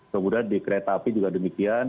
kemudian di kereta api juga demikian